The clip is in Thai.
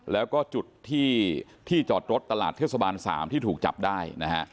แล้วก็จุดที่จอดรถตลาดเทศบาล๓ที่ถูกจับได้นะฮะ